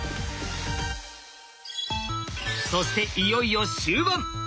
そしていよいよ終盤。